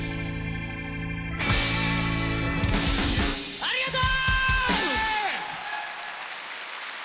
ありがとう！